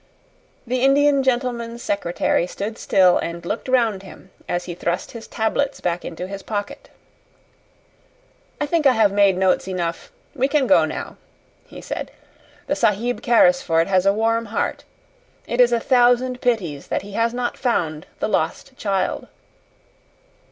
The Indian gentleman's secretary stood still and looked round him as he thrust his tablets back into his pocket. "I think I have made notes enough; we can go now," he said. "The Sahib Carrisford has a warm heart. It is a thousand pities that he has not found the lost child."